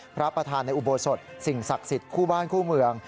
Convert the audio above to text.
พระประธานในอุโบสถสิ่งศักดิ์สิทธิ์คู่บ้านคู่เมือง